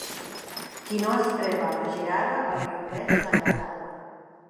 Qui no estreba a la girada el rendeix la llaurada.